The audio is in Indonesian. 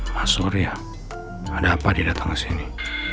pak surya ada apa dia datang ke sini